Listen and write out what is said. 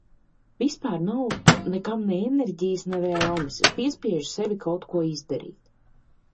Vispār nav nekam ne enerģijas ne vēlmes. Piespiežu sevi kaut ko izdarīt.